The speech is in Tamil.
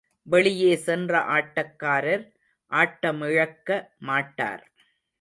வெளியே சென்ற ஆட்டக்காரர் ஆட்டமிழக்க மாட்டார்.